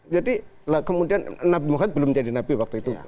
jadi kemudian nabi muhammad belum jadi nabi waktu itu